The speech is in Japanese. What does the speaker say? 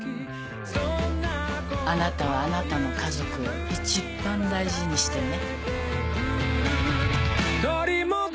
あなたはあなたの家族をいちばん大事にしてね。